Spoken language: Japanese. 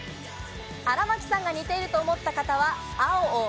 荒牧さんが似ていると思った方は青を。